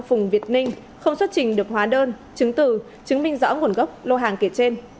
phùng việt ninh không xuất trình được hóa đơn chứng từ chứng minh rõ nguồn gốc lô hàng kể trên